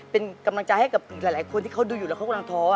เป็นกำลังใจให้กับหลายคนที่เขาดูอยู่แล้วเขากำลังท้อ